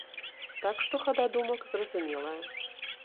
Так што хада думак зразумелая.